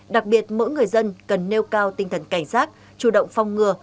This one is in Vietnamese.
đặc biệt mỗi người dân cần nêu cao tinh thần cảnh giác chủ động phong ngừa